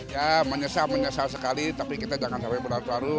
ya menyesal menyesal sekali tapi kita jangan sampai berharu